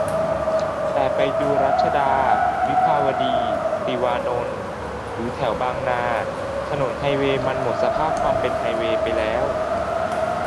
แต่ไปดูรัชดา วิภาวดี ติวานนท์ หรือแถวบางนา ถนนไฮเวย์มันหมดสภาพความเป็นไฮเวย์ไปแล้ว